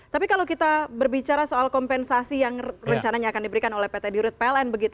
tapi kalau kita berbicara soal kompensasi yang rencananya akan diberikan oleh pt dirut pln